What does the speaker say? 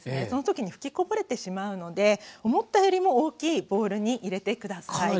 その時に吹きこぼれてしまうので思ったよりも大きいボウルに入れて下さい。